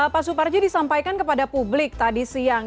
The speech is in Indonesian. pak suparji disampaikan kepada publik tadi siang